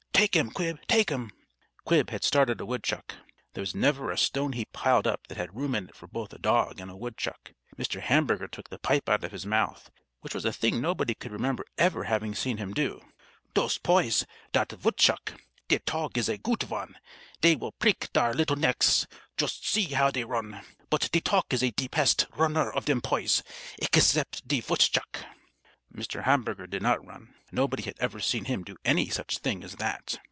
"Take him, Quib! Take him!" Quib had started a woodchuck. There was never a stone heap piled up that had room in it for both a dog and a woodchuck. Mr. Hamburger took the pipe out of his mouth, which was a thing nobody could remember ever having seen him do. "Dose poys! Dat vootchuck! De tog is a goot von. Dey vill preak dare little necks. Joost see how dey run! But de tog is de pest runner of dem poys, egsept de vootchuck." Mr. Hamburger did not run. Nobody had ever seen him do any such thing as that.